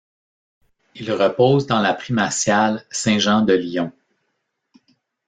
Il repose dans la Primatiale Saint-Jean de Lyon.